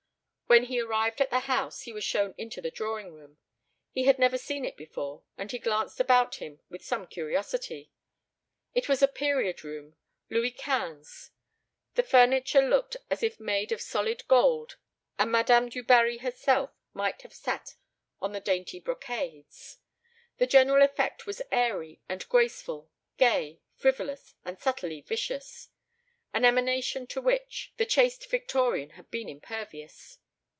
When he arrived at the house he was shown into the drawing room. He had never seen it before and he glanced about him with some curiosity. It was a period room: Louis Quinze. The furniture looked as if made of solid gold and Madame Du Barry herself might have sat on the dainty brocades. The general effect was airy and graceful, gay, frivolous, and subtly vicious. (An emanation to which the chaste Victorian had been impervious.)